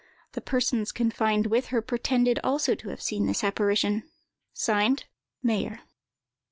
The persons confined with her pretended also to have seen this apparition. Signed "MAYER."